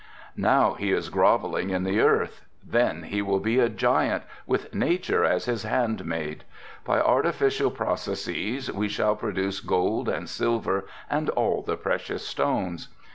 "Now he is grovelling in the earth, then he will be a giant, with nature as his hand maid. By artificial processes we shall produce gold and silver and all the precious stones.